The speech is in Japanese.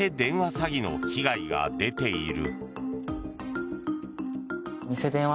詐欺の被害が出ている。